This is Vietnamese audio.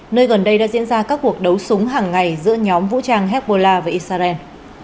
nơi gần đây đã diễn ra các cuộc đấu súng hàng ngày giữa nhóm vũ trang hezbollah và israel